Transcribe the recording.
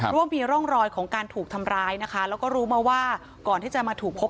ว่ามีร่องรอยของการถูกทำร้ายนะคะแล้วก็รู้มาว่าก่อนที่จะมาถูกพบ